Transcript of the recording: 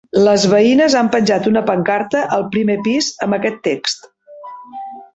Les veïnes han penjat una pancarta al primer pis, amb aquest text.